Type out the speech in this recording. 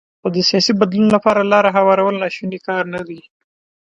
خو د سیاسي بدلون لپاره لاره هوارول ناشونی کار نه دی.